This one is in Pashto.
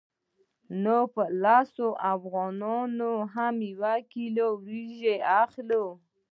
نو په لسو افغانیو هم یوه کیلو وریجې اخلو